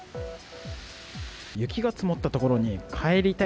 雪が積もった所に、帰りたい